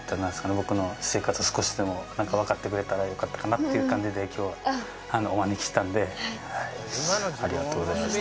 僕の私生活を少しでもなんか分かってくれたらよかったかなっていう感じで今日はあのお招きしたんではいはいありがとうございました